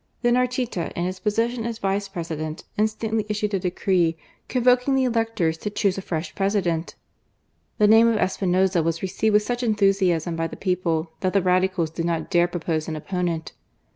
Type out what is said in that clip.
Then Arteta, in his position as Vice President, instantly issued a decree convoking the electors to choose a fresh President. The name of Espinoza was received with such enthusiasm by the people, that the Radicals did not dare propose an opponent.